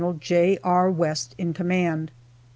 J. R. West in command.